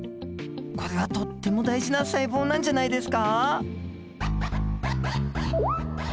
これはとっても大事な細胞なんじゃないですか？